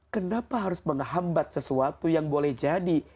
kenapa harus menghambat sesuatu yang boleh jadi